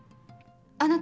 あなた？